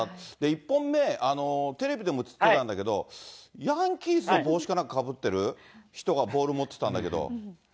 １本目、テレビでも映ってたんだけど、ヤンキースの帽子かなんかかぶってる人がボール持ってたんだけど。